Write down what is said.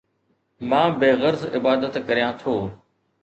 مان بي غرض عبادت ڪريان ٿو